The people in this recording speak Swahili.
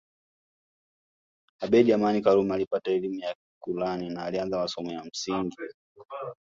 Abeid Amani Karume alipata elimu ya Kurani na alianza masomo ya msingi